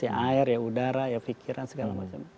ya air ya udara ya pikiran segala macam